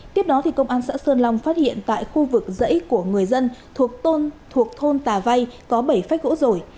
tiếp đó công an xã sơn long phát hiện tại khu vực dãy của người dân thuộc thôn tà vay có bảy phách gỗ rổi